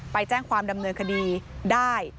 ไปแจ้งความดำเนินคดีได้